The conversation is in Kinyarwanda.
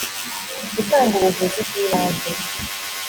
gutanga ubuvuzi bw ibanze